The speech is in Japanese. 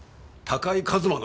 高井和馬